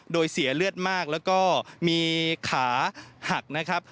โดยเสียเลือดมากแล้วก็มีขาหักนะครับ